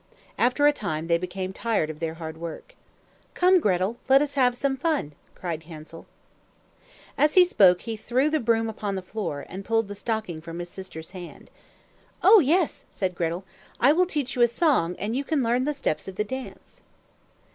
After a time they became tired of their hard work. "Come, Gretel, let us have some fun!" cried Hansel. As he spoke, he threw the broom upon the floor, and pulled the stocking from his sister's hand. "Oh, yes!" said Gretel. "I will teach you a song, and you can learn the steps of the dance."